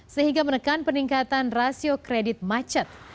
sehingga menekan peningkatan rasio kredit macet